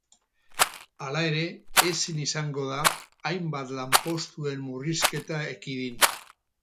Hala ere, ezin izango da hainbat lanpostuen murrizketa ekidin.